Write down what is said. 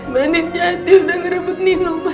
ma jahat dia udah ngerebut nino ma